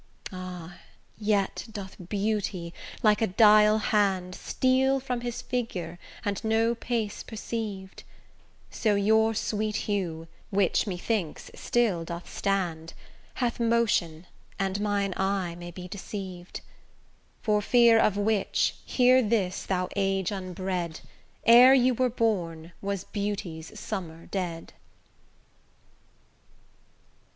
Ah! yet doth beauty like a dial hand, Steal from his figure, and no pace perceiv'd; So your sweet hue, which methinks still doth stand, Hath motion, and mine eye may be deceiv'd: For fear of which, hear this thou age unbred: Ere you were born was beauty's summer dead.